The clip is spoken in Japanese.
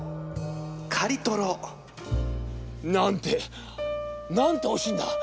カリとろ。なんてなんておいしいんだ！